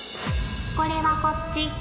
これはこっち。